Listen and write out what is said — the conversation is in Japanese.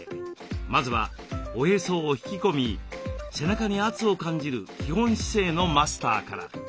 まずはおへそを引き込み背中に圧を感じる基本姿勢のマスターから。